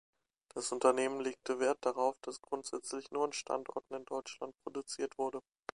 Das Unternehmen legte Wert darauf, dass grundsätzlich nur an Standorten in Deutschland produziert wurde.